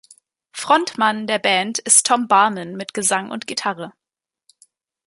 Frontmann der Band ist Tom Barman mit Gesang und Gitarre.